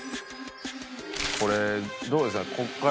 これどうですか？